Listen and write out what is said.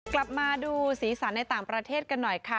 กลับมาดูสีสันในต่างประเทศกันหน่อยค่ะ